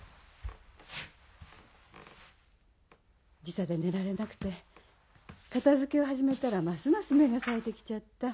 時差で寝られなくて片付けを始めたらますます目がさえてきちゃった。